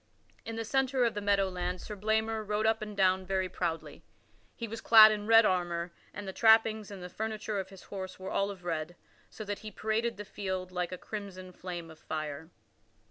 In the centre of the meadow land Sir Blamor rode up and down very proudly. He was clad in red armor, and the trappings and the furniture of his horse were all of red, so that he paraded the field like a crimson flame of fire.